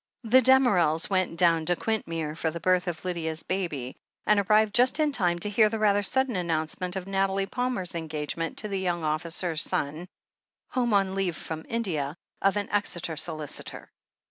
The Damerels went down to Quintmere for the birth of Lydia's baby, and arrived just in time to hear the rather sudden announcement of Nathalie Palmer's engagement to the young officer son, home on leave from India, of an Exeter solicitor.